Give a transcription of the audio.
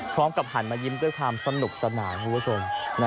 พร้อมกับหันมายิ้มด้วยความสนุกสนานคุณผู้ชม